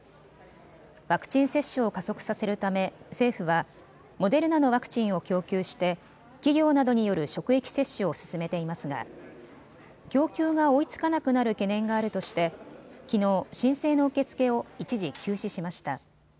ワクチン接種を加速させるため政府はモデルナのワクチンを供給して企業などによる職域接種を進めていますが供給が追いつかなくなる懸念があるとしてきのう申請の受け付けを一時休止しました。